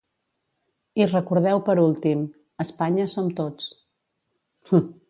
I recordeu per últim: Espanya som tots.